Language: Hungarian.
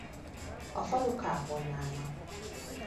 A falu kápolnája.